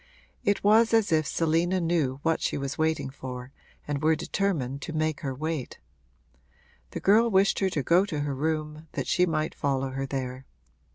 It was as if Selina knew what she was waiting for and were determined to make her wait. The girl wished her to go to her room, that she might follow her there.